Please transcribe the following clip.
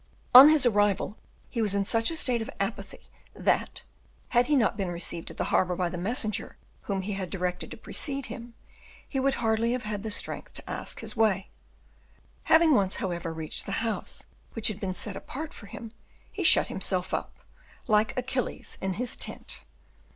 On his arrival he was in such a state of apathy, that, had he not been received at the harbor by the messenger whom he had directed to precede him, he would hardly have had strength to ask his way. Having once, however, reached the house which had been set apart for him, he shut himself up, like Achilles in his tent.